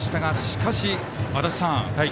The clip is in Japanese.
しかし、足達さん